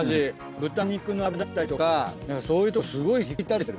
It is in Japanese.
豚肉の脂だったりとかそういうとこすごい引き立ててる。